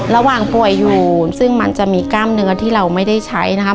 ระหว่างป่วยอยู่ซึ่งมันจะมีกล้ามเนื้อที่เราไม่ได้ใช้นะคะ